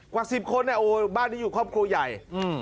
กว่า๑๐คนบ้านนี้อยู่ครอบครัวใหญ่